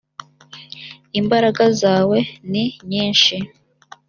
imbaraga zawe ni nyinshi .